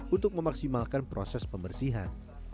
untuk memaksimalkan proses pembersihan